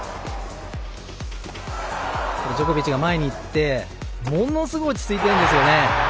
ジョコビッチが前にいってものすごい落ち着いてるんですよね。